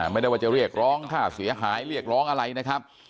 ไม่ได้ว่าจะเรียกร้องค่าเสียหายเรียกร้องอะไรนะครับ